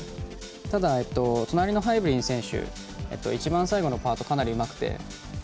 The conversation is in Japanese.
ただ、隣のハイブリン選手一番最後のパートかなりうまくて。